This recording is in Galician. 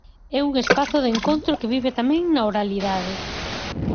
É un espazo de encontro que vive tamén na oralidade.